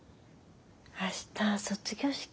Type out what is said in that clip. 明日卒業式。